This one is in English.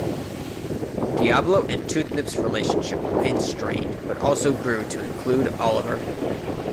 Diablo and Toothgnip's relationship remained strained but also grew to include Oliver.